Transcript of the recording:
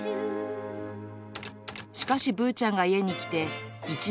しかし、ブーちゃんが家に来て